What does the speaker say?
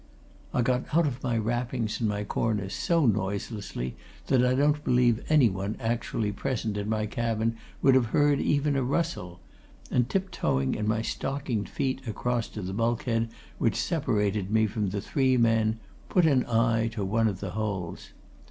I got out of my wrappings and my corner so noiselessly that I don't believe anyone actually present in my cabin would have heard even a rustle, and tip toeing in my stockinged feet across to the bulkhead which separated me from the three men, put an eye to one of the holes.